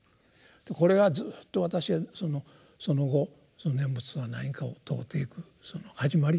これがずっと私はその後念仏とは何かを問うていくその始まりですね。